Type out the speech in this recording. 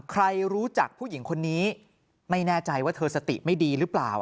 ใครรู้จักผู้หญิงคนนี้ไม่แน่ใจว่าเธอสติไม่ดีหรือเปล่า